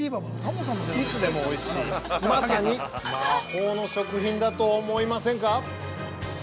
いつでもおいしい、まさに魔法の食品だと思いませんか。